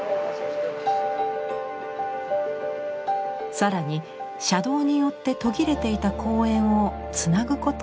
更に車道によって途切れていた公園をつなぐことを提案。